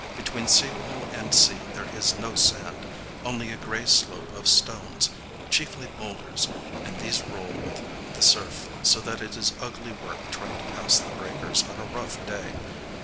Between sea wall and sea there is no sand,—only a grey slope of stones, chiefly boulders; and these roll with the surf so that it is ugly work trying to pass the breakers on a rough day.